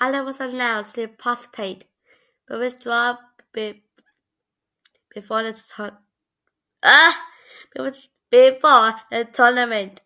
Ireland was announced to participate but withdraw before the tournament.